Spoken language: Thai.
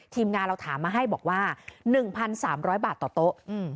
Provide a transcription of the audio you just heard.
ทีมงานเราถามมาให้บอกว่า๑๓๐๐บาทต่อโต๊ะ